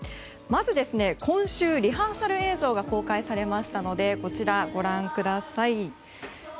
まず今週、リハーサル映像が公開されましたのでこちら、ご覧ください。